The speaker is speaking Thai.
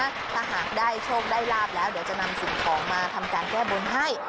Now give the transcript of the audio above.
ถ้าหากได้โชคได้ลาบแล้วเดี๋ยวจะนำสิ่งของมาทำการแก้บนให้